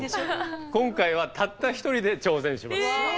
今回はたった一人で挑戦します。